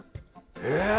え！